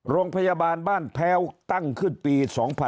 โรงพยาบาลบ้านแพ้วตั้งขึ้นปี๒๕๖๒